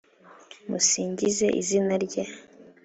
musingize izina rye